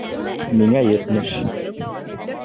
Миңә етмеш.